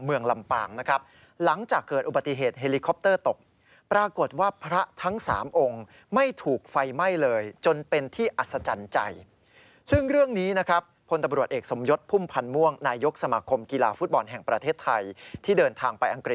เมืองลำเปาห์งนะครับหลังจากเกิดอุบัติฐเหตุฮีลิคอปเตอร์ตก